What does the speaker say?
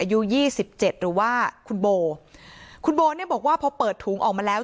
อายุยี่สิบเจ็ดหรือว่าคุณโบคุณโบเนี่ยบอกว่าพอเปิดถุงออกมาแล้ว